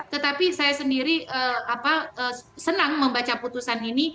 tetapi saya sendiri senang membaca putusan ini